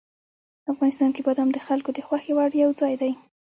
افغانستان کې بادام د خلکو د خوښې وړ یو ځای دی.